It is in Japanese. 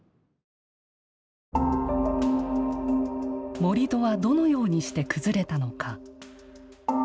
盛土はどのようにして崩れたのか。